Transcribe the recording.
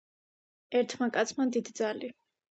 ერთმა კაცმა დიდძალი